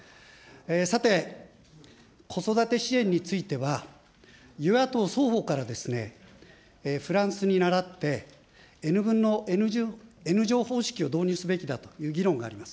さて、子育て支援については、与野党双方からですね、フランスにならって、Ｎ分のＮ乗方式を導入すべきだという議論があります。